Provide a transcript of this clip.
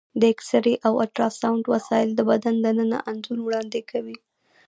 د ایکسرې او الټراساونډ وسایل د بدن دننه انځور وړاندې کوي.